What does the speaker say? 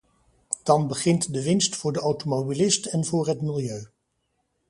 Dan begint de winst voor de automobilist en voor het milieu.